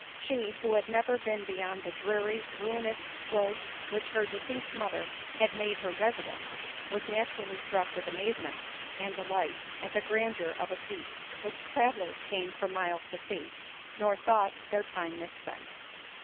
She, who had never been beyond the dreary, ruinous places which her deceased mother had made her residence, was naturally struck with amazement and delight at the grandeur of a seat, which travellers came for miles to see, nor thought their time mispent.